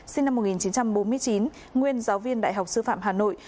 sinh năm một nghìn chín trăm bốn mươi chín nguyên giáo viên đại học sư phạm hà nội